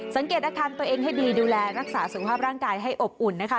สังเกตอาการตัวเองให้ดีดูแลรักษาสุขภาพร่างกายให้อบอุ่นนะคะ